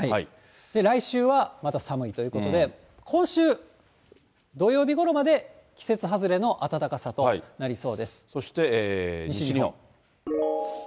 来週はまた寒いということで、今週土曜日ごろまで、そして、西日本。